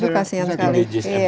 aduh kasian sekali